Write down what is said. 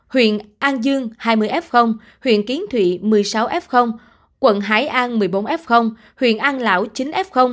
huyện an dương hai mươi f huyện kiến thụy một mươi sáu f quận hải an một mươi bốn f huyện an lão chín f